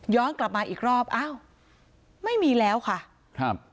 กลับมาอีกรอบอ้าวไม่มีแล้วค่ะครับ